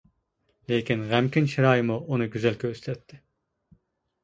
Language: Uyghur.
لېكىن غەمكىن چىرايىمۇ ئۇنى گۈزەل كۆرسىتەتتى.